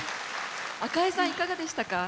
赤江さんいかがでしたか？